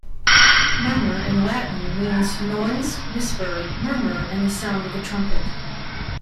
'Murmur' in Latin means noise, whisper, murmur, and the sound of the trumpet.